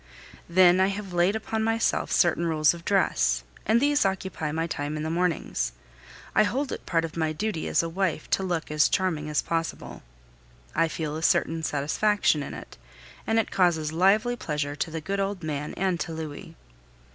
Then I have laid upon myself certain rules of dress, and these occupy my time in the mornings. I hold it part of my duty as a wife to look as charming as possible. I feel a certain satisfaction in it, and it causes lively pleasure to the good old man and to Louis.